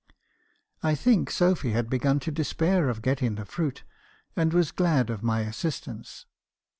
I think Sophy had begun to despair of getting the fruit, and was glad of my assistance.